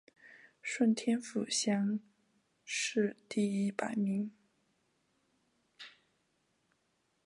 顺天府乡试第一百名。